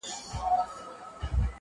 برخوردار خان اڅګزی نومېدی